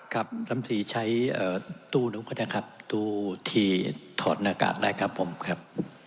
ครับลำตรีใช้ตู้นู้นก็ได้ครับตู้ที่ถอดหน้ากากได้ครับผมครับ